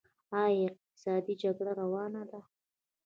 آیا اقتصادي جګړه روانه ده؟